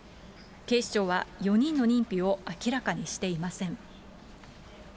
警視庁は４人の認否を明らかにしていません。